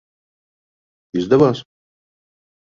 Izdevās?